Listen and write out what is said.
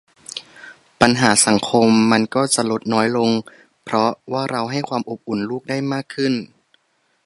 ปัญหาสังคมมันก็จะลดน้อยลงเพราะว่าเราให้ความอบอุ่นลูกได้มากขึ้น